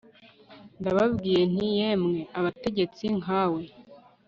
Ndababwiye nti Yemwe abategetsi nka we